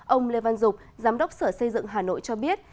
ông lê văn dục giám đốc sở xây dựng hà nội cho biết